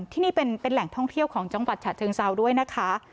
ที่นี่เป็นแหล่งท่องเที่ยวของจังหวัดฉะเชิงเซาด้วยนะคะ